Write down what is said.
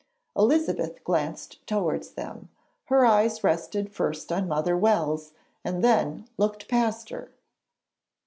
Elizabeth glanced towards them. Her eyes rested first on Mother Wells and then looked past her.